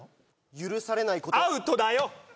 許されないことアウトだよ！